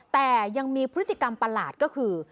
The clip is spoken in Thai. แต่ยังมีพฤติกรรมประหลาดก็คือ